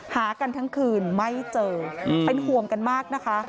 หากันทั้งคืนไม่เจอเป็นห่วงกันมากนะคะ